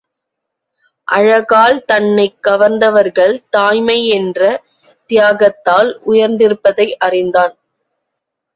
அழகால் தன்னைக் கவர்ந்தவர்கள் தாய்மை என்ற தியாகத்தால் உயர்ந்திருப்பதை அறிந்தான்.